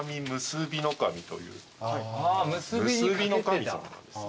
むすびの神様なんです。